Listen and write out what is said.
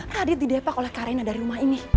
radit didepak oleh kak reina dari rumah ini